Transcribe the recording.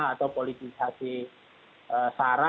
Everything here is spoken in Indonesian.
atau politisasi sara